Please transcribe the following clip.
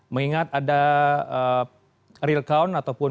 mengingat ada real count ataupun